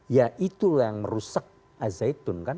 ya itulah yang merusak azeitun kan